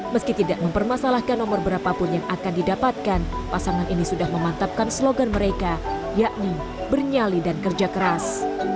meski tidak mempermasalahkan nomor berapapun yang akan didapatkan pasangan ini sudah memantapkan slogan mereka yakni bernyali dan kerja keras